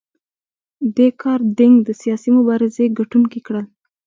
دې کار دینګ د سیاسي مبارزې ګټونکي کړل.